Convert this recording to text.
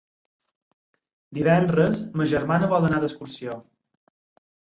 Divendres ma germana vol anar d'excursió.